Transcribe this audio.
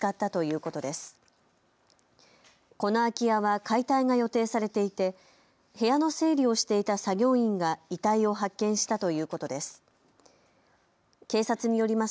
この空き家は解体が予定されていて部屋の整理をしていた作業員が遺体を発見したということです。